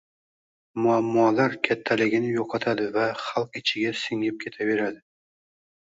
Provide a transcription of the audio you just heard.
Muammolar kattaligini yo‘qotadi va xalq ichiga singib ketaveradi...